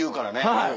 はい。